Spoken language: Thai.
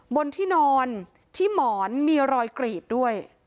บนที่นอนที่หมอนมีรอยกรีดด้วย